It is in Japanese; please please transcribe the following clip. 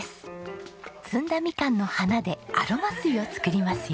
摘んだみかんの花でアロマ水を作りますよ。